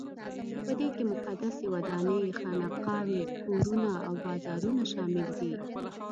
په دې کې مقدسې ودانۍ، خانقاوې، کورونه او بازارونه شامل دي.